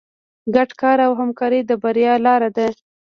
ګډ کار او همکاري د بریا لاره ده.